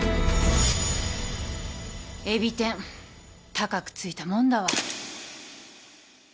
海老天高くついたもんだわ。